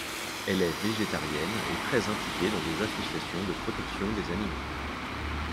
Elle est végétarienne et très impliquée dans des associations de protection des animaux.